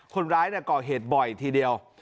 คนร้ายก่อเหตุบ่อยทีเดียว